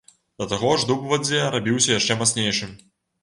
Да таго ж дуб у вадзе рабіўся яшчэ мацнейшым.